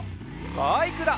バイクだ！